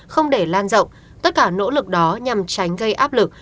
không để lan rộng tất cả nỗ lực đó nhằm tránh gây áp lực